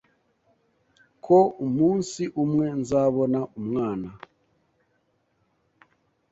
ko umunsi umwe nzabona umwana.